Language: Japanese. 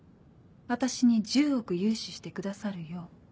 私に１０億融資してくださるよう。